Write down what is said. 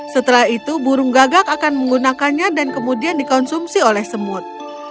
setelah itu burung gagak akan menggunakannya dan kemudian dikonsumsi oleh semut